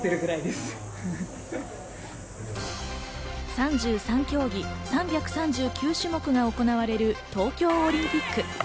３３競技３３９種目が行われる東京オリンピック。